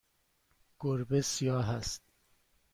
گربه سیاه است.